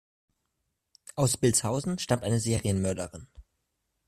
Aus Bilshausen stammt eine Serienmörderin.